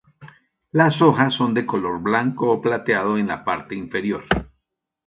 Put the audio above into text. Las hojas son de color blanco o plateado en la parte inferior.